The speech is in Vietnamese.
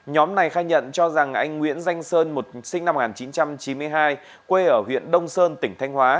nhóm này khai nhận cho rằng anh nguyễn danh sơn một sinh năm một nghìn chín trăm chín mươi hai quê ở huyện đông sơn tỉnh thanh hóa